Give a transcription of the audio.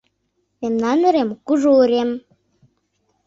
Мемнан урем — кужу урем